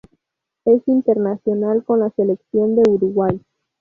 Es internacional con la selección de Uruguay.